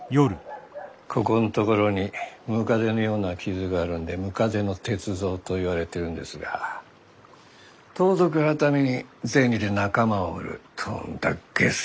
ここん所に百足のような傷があるんで百足の鉄三といわれてるんですが盗賊改に銭で仲間を売るとんだげす野郎でさ。